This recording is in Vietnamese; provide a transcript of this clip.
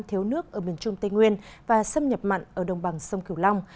thiếu nước ở miền trung tây nguyên và xâm nhập mặn ở đồng bằng sông cửu long